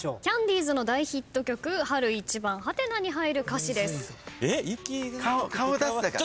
キャンディーズの大ヒット曲『春一番』「？」に入る歌詞です。